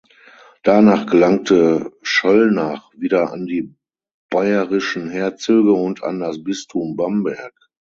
Danach gelangte Schöllnach wieder an die bayerischen Herzöge und an das Bistum Bamberg.